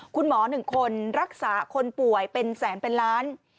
คุณหมอ๑คนรักษาคนป่วยเป็นแสนเป็นล้าน